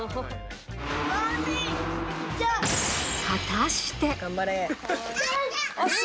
果たして。